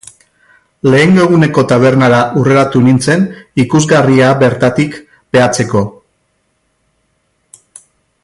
Lehengo eguneko tabernara hurreratu nintzen, ikusgarria bertatik behatzeko.